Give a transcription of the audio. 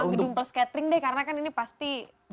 gedung plus catering deh karena kan ini pasti